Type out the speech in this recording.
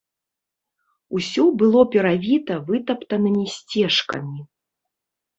Усё было перавіта вытаптанымі сцежкамі.